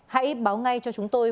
hãy báo ngay cho chúng tôi